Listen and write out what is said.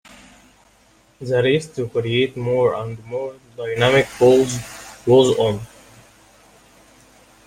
The race to create more and more dynamic balls was on.